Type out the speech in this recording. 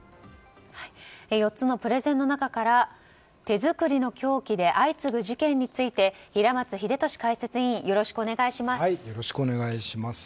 ４つのプレゼンの中から手作りの凶器で相次ぐ事件について平松秀敏解説委員よろしくお願いします。